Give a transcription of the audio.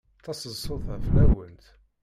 Taseḍsut-a fell-awent.